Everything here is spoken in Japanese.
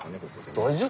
大丈夫。